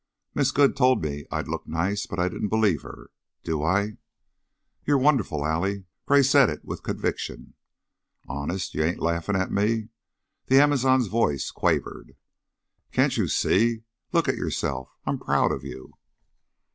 "Miss Good told me I'd look nice, but I didn't believe her. Do I?" "You're wonderful, Allie." Gray said it with conviction. "Honest? You ain't laughin' at me?" The amazon's voice quavered. "Can't you see? Look at yourself. I'm proud of you."